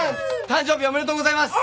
誕生日おめでとうございます！